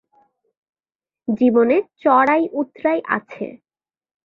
জীবনে চড়াই উতরাই আছে।